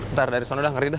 ntar dari sana dah ngeri dah